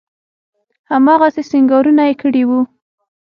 هماغسې سينګارونه يې کړي وو.